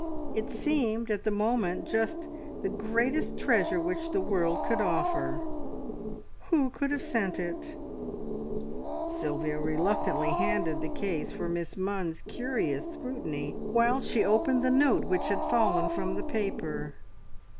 It seemed at the moment just the greatest treasure which the world could offer. Who could have sent it? Sylvia reluctantly handed the case for Miss Munns's curious scrutiny, the while she opened the note which had fallen from the paper.